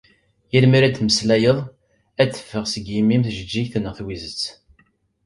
Yal mi ara d-temmeslayeḍ ad d-teﬀeɣ seg yimi-m tjeğğigt neɣ twizet.